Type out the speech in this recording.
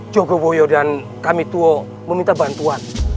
jogoboyo dan kami tuo meminta bantuan